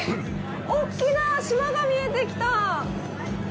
大きな島が見えてきた。